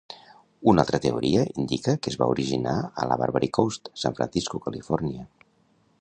Una altra teoria indica que es va originar a la Barbary Coast, San Francisco, Califòrnia.